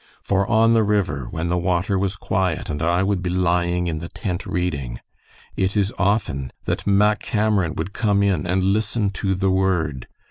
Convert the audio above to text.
For on the river, when the water was quiet and I would be lying in the tent reading, it is often that Mack Cameron would come in and listen to the Word.